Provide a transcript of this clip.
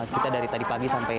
kita dari tadi pagi sampai